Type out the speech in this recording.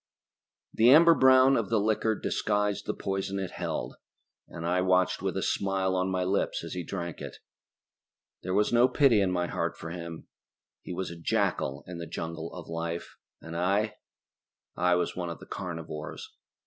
The amber brown of the liquor disguised the poison it held, and I watched with a smile on my lips as he drank it. There was no pity in my heart for him. He was a jackal in the jungle of life, and I ... I was one of the carnivores.